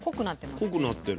濃くなってる。